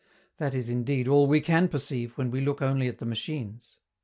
That is, indeed, all we can perceive when we look only at the machines.